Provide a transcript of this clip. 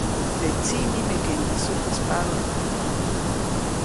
Teʼ tsiʼ nimekeʼuŋdeke sujtspabä.